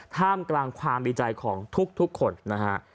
ท่ามกลางความดีใจของทุกคนนะฮะ